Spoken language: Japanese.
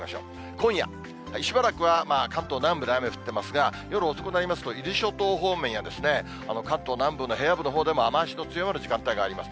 今夜、しばらくは関東南部で雨降ってますが、夜遅くなりますと、伊豆諸島方面や関東南部の平野部のほうでも雨足の強まる時間帯があります。